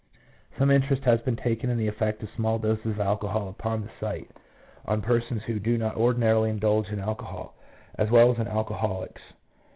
Some interest has been taken in the effect of small doses of alcohol upon the sight, on persons who. do not ordinarily indulge in alcohol, as well as on alco holics.